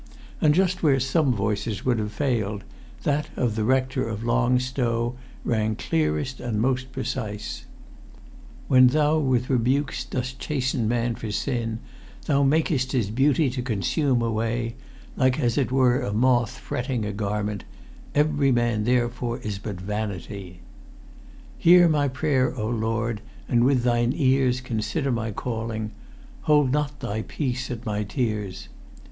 And just where some voices would have failed, that of the Rector of Long Stow rang clearest and most precise: "When thou with rebukes dost chasten man for sin, thou makest his beauty to consume away, like as it were a moth fretting a garment: every man therefore is but vanity. "Hear my prayer, O Lord, and with thine ears consider my calling: hold not thy peace at my tears.